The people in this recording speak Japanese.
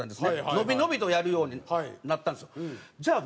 伸び伸びとやるようになったんですよ。